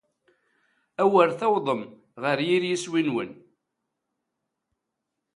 Awer tawḍem ɣer yir iswi-nwen.